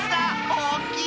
おおきい！